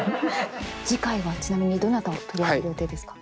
次回はちなみにどなたを取り上げる予定ですか？